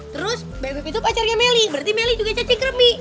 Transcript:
terus bebeb itu pacarnya meli berarti meli juga cacing kremi